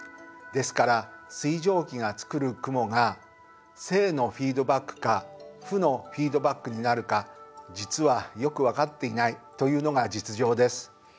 ですから水蒸気が作る雲が正のフィードバックか負のフィードバックになるか実はよく分かっていないというのが実情です。